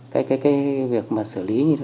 cái cái cái việc mà xử lý